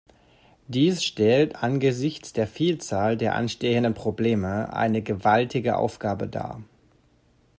Dies stellt angesichts der Vielzahl der anstehenden Probleme eine gewaltige Aufgabe dar.